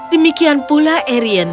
demikian pula arion